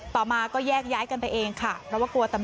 ต่อมาก็แยกย้ายกันไปเองค่ะ